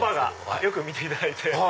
よく見ていただいて。